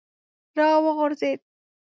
را وغورځېد.